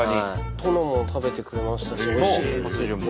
殿も食べてくれましたし「おいしい」っつって。